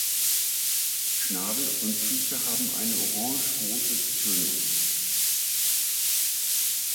Schnabel und Füße haben eine orangerote Tönung.